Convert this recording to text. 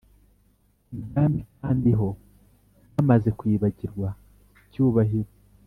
Ibwami kandi ho bamaze kwibagirwa cyubahiro